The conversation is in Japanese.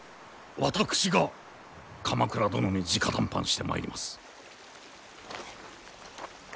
私が鎌倉殿にじか談判してまいります。